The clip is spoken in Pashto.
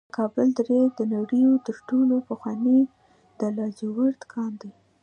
د کابل درې د نړۍ تر ټولو پخوانی د لاجورد کان دی